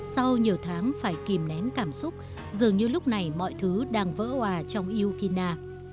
sau nhiều tháng phải kìm nén cảm xúc dường như lúc này mọi thứ đang vỡ hòa trong yukina